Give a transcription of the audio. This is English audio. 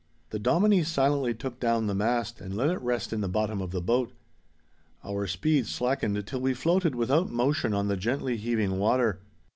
The Dominie silently took down the mast and let it rest in the bottom of the boat. Our speed slackened till we floated without motion on the gently heaving water.